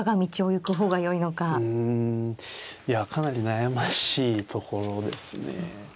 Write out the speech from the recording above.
うんいやかなり悩ましいところですね。